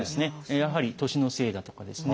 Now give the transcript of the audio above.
やはり年のせいだとかですね